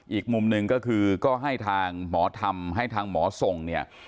อีกมุมหนึ่งก็คือก็ให้ทางหมอธรรมให้ทางหมอทรง